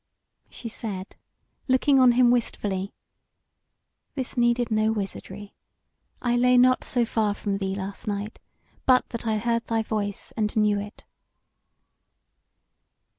She said, looking on him wistfully: "This needed no wizardry. I lay not so far from thee last night, but that I heard thy voice and knew it."